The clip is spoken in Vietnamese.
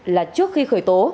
là trước khi khởi tố